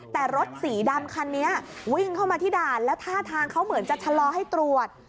แต่รถสีดำคันนี้วิ่งเข้ามาที่ด่านแล้วท่าทางเขาเหมือนจะชะลอให้ตรวจ